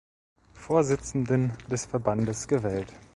Vorsitzenden des Verbandes gewählt.